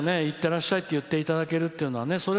いってらっしゃいって言っていただけるというのはね。